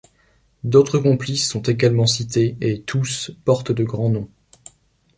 D’autres complices sont également cités et tous portent de grands noms.